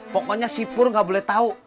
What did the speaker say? pokoknya si pur gak boleh tahu